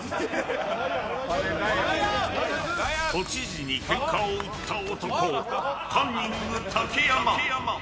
都知事にけんかを売った男カンニング竹山。